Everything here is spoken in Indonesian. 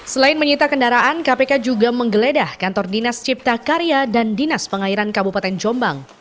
selain menyita kendaraan kpk juga menggeledah kantor dinas cipta karya dan dinas pengairan kabupaten jombang